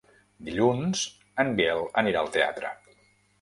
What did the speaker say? Dilluns en Biel anirà al teatre.